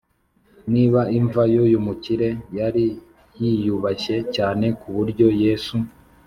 ” niba imva y’uyu mukire yari yiyubashye cyane ku buryo yesu